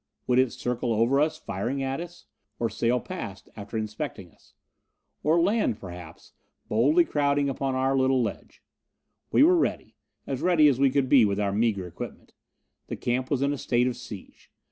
Would it circle over us, firing at us? Or sail past, after inspecting us? Or land, perhaps, boldly crowded upon our little ledge? We were ready as ready as we could be with our meager equipment. The camp was in a state of siege.